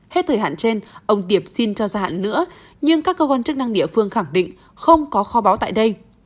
hết thời hạn trên ông tiệp xin cho gia hạn nữa nhưng các cơ quan chức năng địa phương khẳng định không có kho báo tại đây